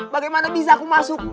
bagaimana bisa aku masuk